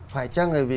phải chăng là vì